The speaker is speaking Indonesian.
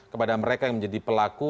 kepada mereka yang menjadi pelaku